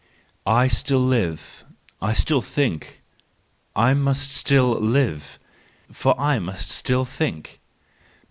—I still live, I still think; I must still live, for I must still think.